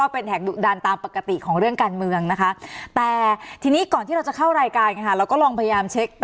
สนับสนุนโดยทีโพพิเศษถูกอนามัยสะอาดใสไร้คราบ